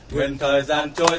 nguyện thời gian trôi